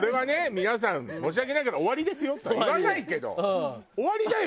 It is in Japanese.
皆さん申し訳ないけど「終わりですよ」とは言わないけど終わりだよ！